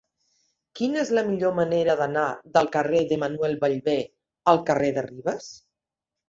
Quina és la millor manera d'anar del carrer de Manuel Ballbé al carrer de Ribes?